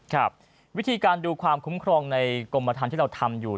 ครับวิธีการดูความคุ้มครองในกรมธรรมที่เราทำอยู่